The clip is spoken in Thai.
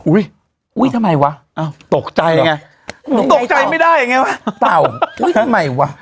อุ้ยอุ้ยทำไมวะอ้าวตกใจไงหนูตกใจไม่ได้ไงวะเต่าอุ้ยทำไมวะ